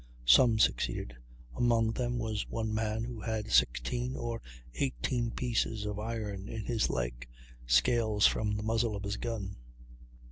Some succeeded; among them was one man who had sixteen or eighteen pieces of iron in his leg, scales from the muzzle of his gun.